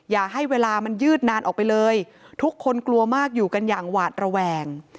อย่าให้เวลามันยืดนานออกไปเลยทุกคนกลัวมากอยู่กันอย่างหวาดระแวง